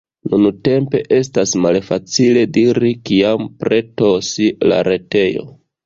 Nuntempe, estas malfacile diri kiam pretos la retejo.